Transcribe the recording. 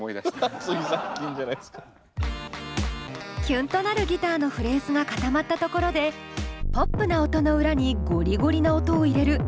キュンとなるギターのフレーズが固まったところでポップな音の裏にゴリゴリな音を入れる☆